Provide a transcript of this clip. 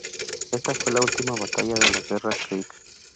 Esta fue la última batalla de la guerra creek.